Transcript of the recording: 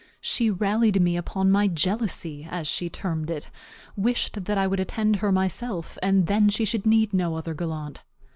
She rallied me upon my jealousy, as she termed it, wished that I would attend her myself, and then she should need no other gallant.